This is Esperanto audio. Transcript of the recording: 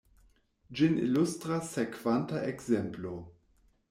Ĝin ilustras sekvanta ekzemplo.